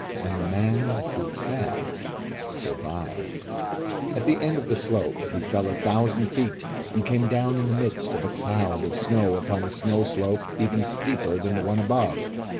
And the man who fell survived. At the end of the slope he fell a thousand feet, and came down in the midst of a cloud of snow upon a snow slope even steeper than the one above.